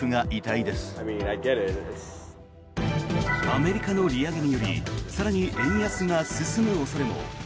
アメリカの利上げにより更に円安が進む恐れも。